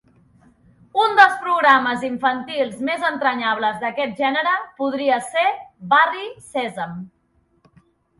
Un dels programes infantils més entranyables d'aquest gènere podria ser Barri Sèsam.